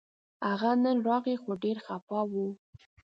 هغه نن راغی خو ډېر خپه و